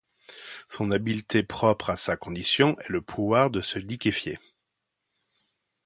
Son habileté propre à sa condition est le pouvoir de se liquéfier.